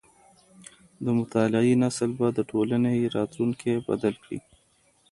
د مطالعې نسل به د ټولني راتلونکی بدل کړي.